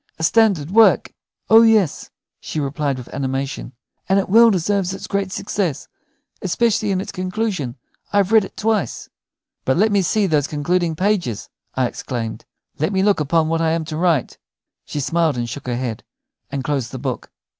"A standard work!" "Oh yes," she replied, with animation; "and it well deserves its great success, especially in its conclusion. I have read it twice." "But let me see these concluding pages," I exclaimed. "Let me look upon what I am to write." She smiled, and shook her head, and closed the book.